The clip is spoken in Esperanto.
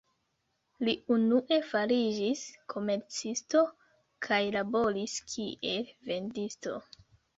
Li unue fariĝis komercisto kaj laboris kiel vendisto.